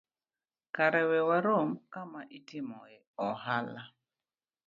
kara we warom kama itimoe ohala.